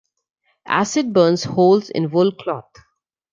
Acid burns holes in wool cloth.